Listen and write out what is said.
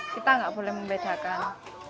kita nggak boleh membedakan